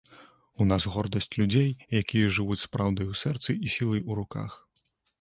У нас гордасць людзей, якія жывуць з праўдай у сэрцы і сілай у руках.